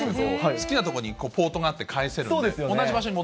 好きな所にポートがあって返せるので、確かに。